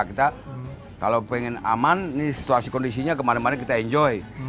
kita kalau pengen aman ini situasi kondisinya kemarin kemarin kita enjoy